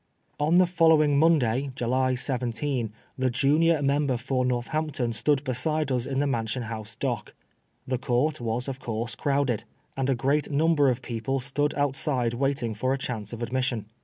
On the following Monday, July 17, the junior Member for Northampton stood beside us in the Mansion House dock. The court was of course crowded, o 34 PBISONBR FOR BLASPHEMY. and a great number of people stood outside waiting for a chance of admission.